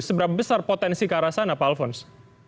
seberapa besar potensi ke arah sana pak alfons